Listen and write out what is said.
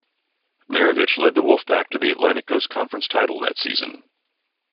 Maravich led the Wolfpack to the Atlantic Coast Conference title that season.